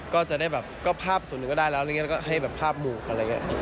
ก็จะได้แบบก็ภาพส่วนหนึ่งก็ได้แล้วอะไรอย่างนี้แล้วก็ให้แบบภาพบวกอะไรอย่างนี้